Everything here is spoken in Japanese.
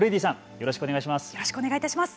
よろしくお願いします。